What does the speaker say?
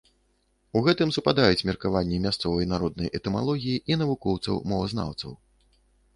У гэтым супадаюць меркаванні мясцовай народнай этымалогіі і навукоўцаў-мовазнаўцаў.